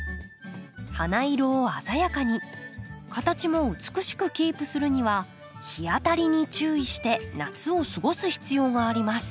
花色を鮮やかに形も美しくキープするには日当たりに注意して夏を過ごす必要があります。